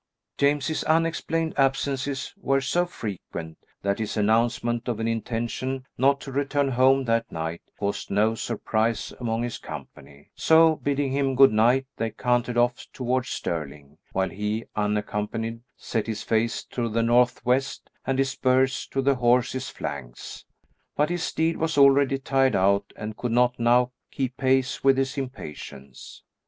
James's unexplained absences were so frequent that his announcement of an intention not to return home that night caused no surprise among his company; so, bidding him good night, they cantered off towards Stirling, while he, unaccompanied, set his face to the north west, and his spurs to the horse's flanks, but his steed was already tired out and could not now keep pace with his impatience.